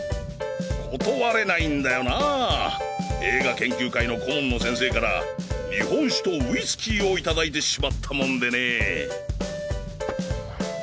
断れないんだよなァ映画研究会の顧問の先生から日本酒とウイスキーをいただいてしまったもんでねェ。